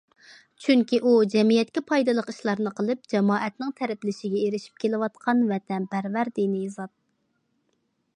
چۈنكى ئۇ جەمئىيەتكە پايدىلىق ئىشلارنى قىلىپ، جامائەتنىڭ تەرىپلىشىگە ئېرىشىپ كېلىۋاتقان ۋەتەنپەرۋەر دىنىي زات.